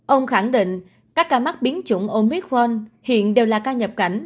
ông khẳng định các ca mắc biến chủng omicron hiện đều là ca nhập cảnh